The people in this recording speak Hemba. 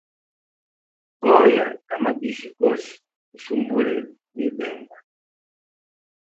Goya ga mabizi gose gu sumbule mu ibenga.